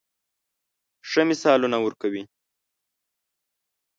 ښه مثالونه ورکوي.